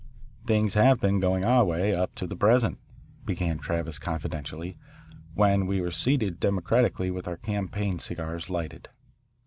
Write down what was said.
"Things have been going our way up to the present," began Travis confidentially, when we were seated democratically with our campaign cigars lighted.